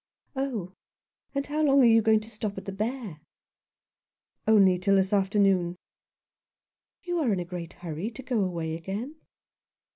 " Oh ! And how long are you going to stop at the Bear ?"" Only till this afternoon." "You are in a great hurry to go away again."